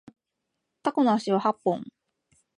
タコの足は八本